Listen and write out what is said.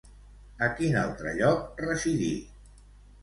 A quin altre lloc residí?